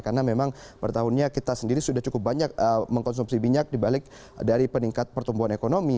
karena memang bertahunnya kita sendiri sudah cukup banyak mengkonsumsi minyak dibalik dari peningkat pertumbuhan ekonomi